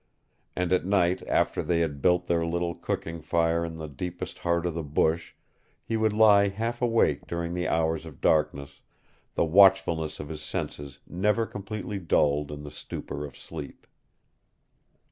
And at night after they had built their little cooking fire in the deepest heart of the bush he would lie half awake during the hours of darkness, the watchfulness of his senses never completely dulled in the stupor of sleep.